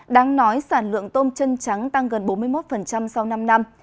đáng nói sản lượng tôm chân trắng tăng gần bốn mươi một sau năm năm